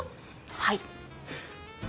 はい。